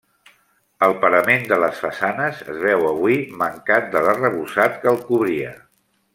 El parament de les façanes es veu avui mancat de l'arrebossat que el cobria.